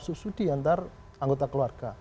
subsidi antar anggota keluarga